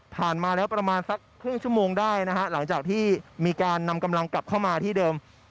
มาแล้วประมาณสักครึ่งชั่วโมงได้นะฮะหลังจากที่มีการนำกำลังกลับเข้ามาที่เดิม